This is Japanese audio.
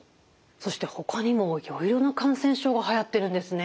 そしてほかにもいろいろな感染症がはやってるんですね。